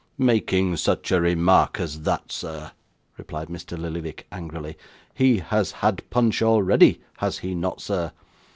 'Making such a remark as that, sir,' replied Mr. Lillyvick, angrily. 'He has had punch already, has he not, sir?